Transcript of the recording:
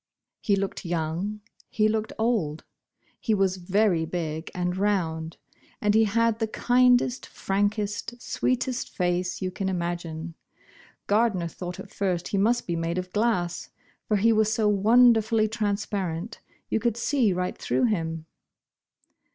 He looked young, he looked old. He was very big and round, and he had the kindest, frankest, sweetest face you can imagine. Gardner thought at first he must be made of glass, for he was so wonder fully transparent — you could see right through him.